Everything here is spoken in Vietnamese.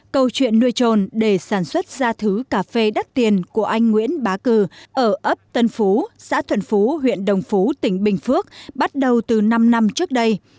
câu chuyện nuôi trồn để sản xuất ra thứ cà phê đắt tiền của anh nguyễn bá cử ở ấp tân phú xã thuận phú huyện đồng phú tỉnh bình phước bắt đầu từ năm năm trước đây